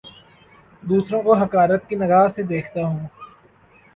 دوسروں کو حقارت کی نگاہ سے دیکھتا ہوں